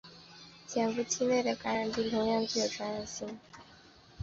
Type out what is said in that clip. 潜伏期内的传染病同样具有传染性。